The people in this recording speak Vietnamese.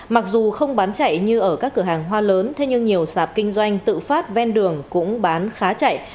mặc dù không bán chạy như ở các cửa hàng hoa lớn thế nhưng nhiều sạp kinh doanh tự phát ven đường cũng bán khá chạy